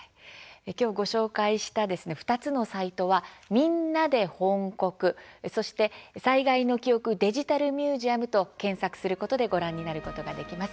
本日、番組で紹介しました２つのサイトは「みんなで翻刻」「災害の記憶デジタルミュージアム」はこのように検索するとご覧になることができます。